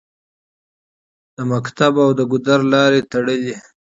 د مکتب او د ګودر لارې تړلې